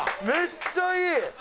めっちゃいい！